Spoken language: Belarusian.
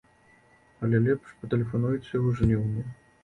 Але лепш патэлефануйце ў жніўні.